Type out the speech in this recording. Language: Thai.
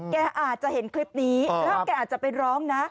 แกอาจจะเห็นคลิปนี้แล้วแกอาจจะไปร้องนะ